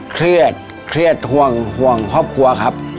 เครียดเครียดห่วงห่วงครอบครัวครับ